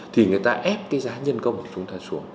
thì chúng ta phải ép cái giá nhân công của chúng ta xuống